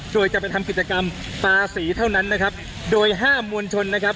โดยจะไปทำกิจกรรมตาสีเท่านั้นนะครับโดยห้ามมวลชนนะครับ